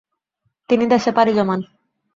তিনি দেশে পাড়ি জমান।